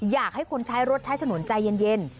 อยากให้คนใช้รถใช้ถนนใจเย็น